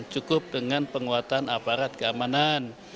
cukup dengan penguatan aparat keamanan